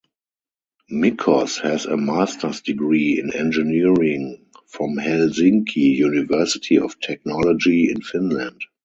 Mickos has a master's degree in Engineering from Helsinki University of Technology in Finland.